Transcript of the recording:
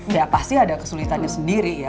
ya pasti ada kesulitannya sendiri ya